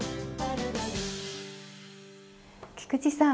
菊池さん